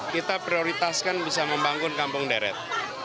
kita prioritaskan bisa membangun kampung deret